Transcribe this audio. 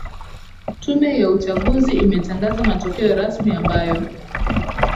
tume ya uchaguzi imetangaza matokeo rasmi ambayo